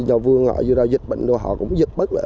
nhờ vườn họ vừa ra dịch bệnh rồi họ cũng dịch bất lệ